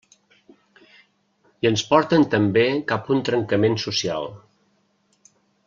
I ens porten també cap a un trencament social.